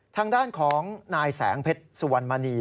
ทางด้านของนายแสงเพชรสุวรรณมณี